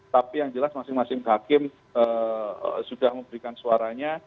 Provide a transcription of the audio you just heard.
tapi yang jelas masing masing hakim sudah memberikan suaranya